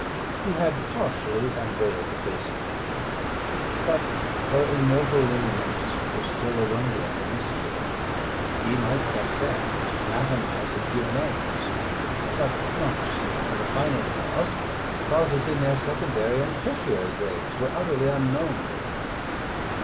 He had partially unveiled the face of Nature, but her immortal lineaments were still a wonder and a mystery. He might dissect, anatomise, and give names; but, not to speak of a final cause, causes in their secondary and tertiary grades were utterly unknown to him.